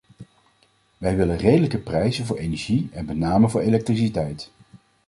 Wij willen redelijke prijzen voor energie, en met name voor elektriciteit.